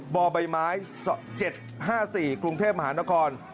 บ่อใบไม้๗๕๔กรุงเทพมหานคร